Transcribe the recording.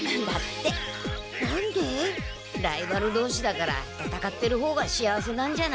ライバル同士だから戦ってる方が幸せなんじゃない？